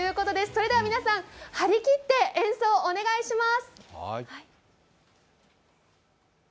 それでは、皆さん張り切って演奏をお願いします。